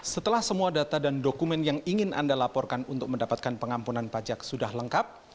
setelah semua data dan dokumen yang ingin anda laporkan untuk mendapatkan pengampunan pajak sudah lengkap